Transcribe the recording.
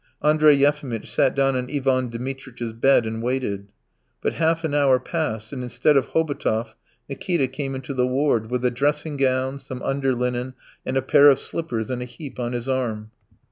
Andrey Yefimitch sat down on Ivan Dmitritch's bed and waited. But half an hour passed, and instead of Hobotov, Nikita came into the ward with a dressing gown, some underlinen, and a pair of slippers in a heap on his arm.